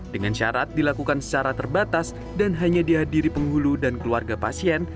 dengan syarat dilakukan secara terbatas dan hanya dihadiri penghulu dan keluarga pasien